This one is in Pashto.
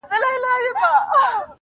زړه مي در سوځي چي ته هر گړی بدحاله یې